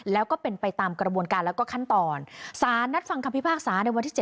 แม้แต่สักบาทสักตัวตังค์เดียว